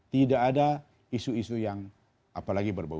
tidak ada isu isu yang apalagi berbau